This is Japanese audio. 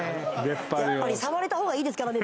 やっぱり触れた方がいいですからね